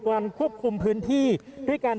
กว่ากว่าควบคุมพื้นที่ด้วยการ